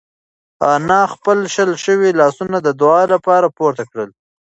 انا خپل شل شوي لاسونه د دعا لپاره پورته کړل.